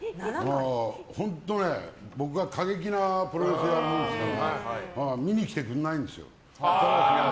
僕が過激なプロレスをやるから見に来てくれないんですよ。